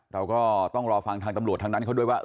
เราก็ต้องรอฟังทางตำรวจทางนั้นเขาด้วยว่า